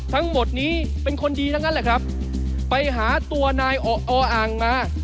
ทั้งหมดนี้เป็นคนดีทั้งนั้นแหละครับไปหาตัวนายออ่างมา